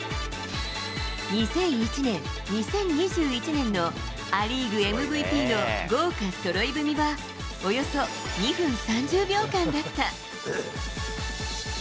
２００１年、２０２１年のア・リーグＭＶＰの豪華そろい踏みは、およそ２分３０秒間だった。